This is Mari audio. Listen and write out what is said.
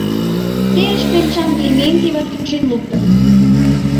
Серыш кленчам Клементьева кӱнчен луктын!